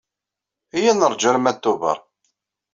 Iyya ad neṛju arma d Tubeṛ.